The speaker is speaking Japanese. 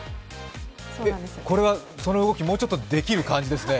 えっ、その動き、もうちょっとできる感じですね。